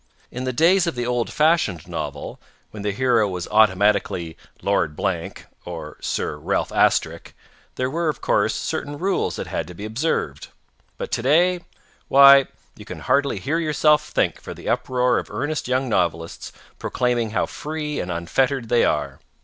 In the days of the old fashioned novel, when the hero was automatically Lord Blank or Sir Ralph Asterisk, there were, of course, certain rules that had to be observed, but today why, you can hardly hear yourself think for the uproar of earnest young novelists proclaiming how free and unfettered they are.